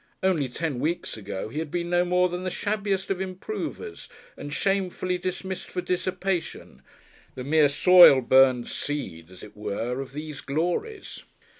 Only ten weeks ago he had been no more than the shabbiest of improvers and shamefully dismissed for dissipation, the mere soil burned seed, as it were, of these glories.